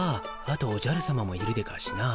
あとおじゃるさまもいるでガシな。